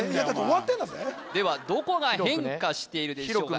ではどこが変化しているでしょうか